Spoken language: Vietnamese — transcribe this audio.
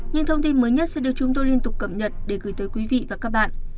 những thông tin mới nhất sẽ được chúng tôi liên tục cập nhật để gửi tới quý vị và các bạn